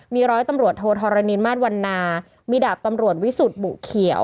มีร้อยตำรวจโทธรณินมาตรวันนามีดาบตำรวจวิสุทธิ์บุเขียว